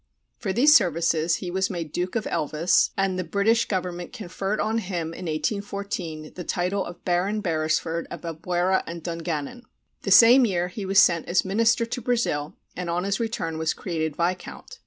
For these services he was made Duke of Elvas, and the British government conferred on him in 1814 the title of Baron Beresford of Albuera and Dungannon. The same year he was sent as minister to Brazil, and on his return was created viscount.